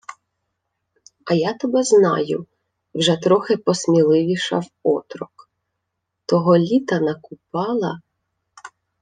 — А я тебе знаю, — вже трохи посміливішав отрок. — Того літа на Купала...